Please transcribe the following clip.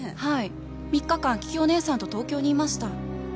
はい３日間桔梗姐さんと東京にいました。